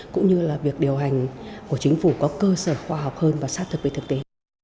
cũng như là việc điều hành của chính phủ có cơ sở khoa học hơn và sát thực với thực tế